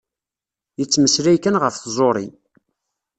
Yettmeslay kan ɣef tẓuri.